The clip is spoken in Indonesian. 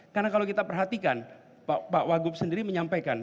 karena kalau kita perhatikan pak wagub sendiri menyampaikan